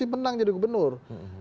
itu pasti menang jadi gubernur